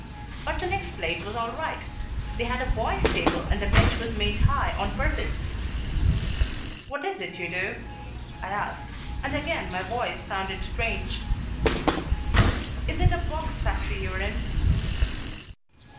"But the next place was all right. They had a boys' table and the bench was made high on purpose." "What is it you do?" I asked, and again my voice sounded strange. "Is it a box factory you're in?"